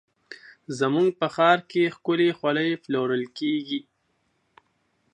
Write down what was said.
زموږ په ښار کې ښکلې خولۍ پلورل کېږي.